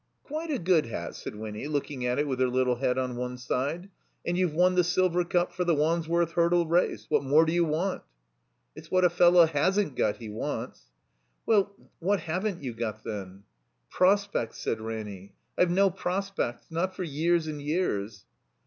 "Quite a good hat," said Winny, looking at it 66 THE COMBINED MAZE with her little head on one side. ''And you've won the silver cup for the Wandsworth Hurdle Race. What more do you want?" ''It's what a fellow hasn't got he wants." "Well, what haven't you got, then?" "Prospects," said Ranny. "I've no prospects. Not for years and years."